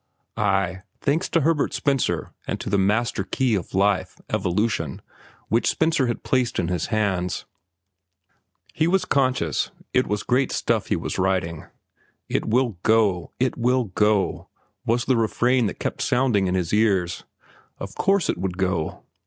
Ay, thanks to Herbert Spencer and to the master key of life, evolution, which Spencer had placed in his hands. He was conscious that it was great stuff he was writing. "It will go! It will go!" was the refrain that kept sounding in his ears. Of course it would go.